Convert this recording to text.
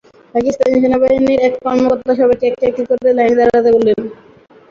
পাকিস্তান সেনাবাহিনীর এক কর্মকর্তা সবাইকে একে একে করে লাইনে দাঁড়াতে বলেন।